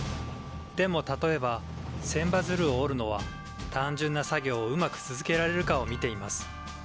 でも例えば千羽鶴を折るのは単純な作業をうまく続けられるかを見ています。